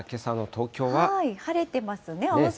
晴れてますね、青空。